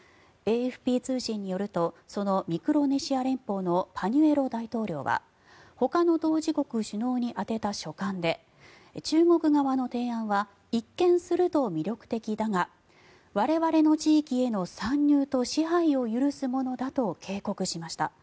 ＡＦＰ通信によるとそのミクロネシア連邦のパニュエロ大統領はほかの当事国に宛てた書簡で中国側の提案は一見すると魅力的だが我々の地域への参入と支配を許すものだと警告しました。